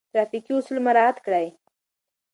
ترافیکي اصول مراعات کړئ.